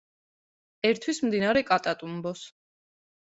ერთვის მდინარე კატატუმბოს.